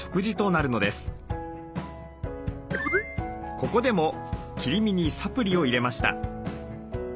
ここでも切り身にサプリを入れました。